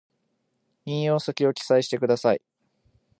引用先を記載してください